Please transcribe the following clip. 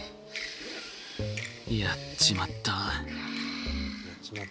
「やっちまった」。